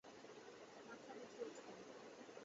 মাথা দেখে উঠবেন।